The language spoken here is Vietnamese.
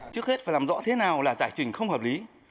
trước hết phải làm rõ thế nào là giải trình không hợp lý